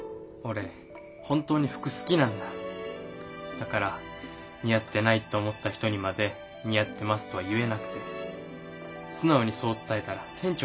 だから似合ってないって思った人にまで似合ってますとは言えなくて素直にそう伝えたら店長に怒られてさ。